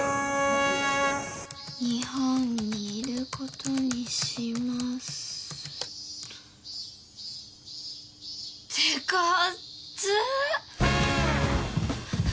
「日本にいることにします」っと。ってか暑っ。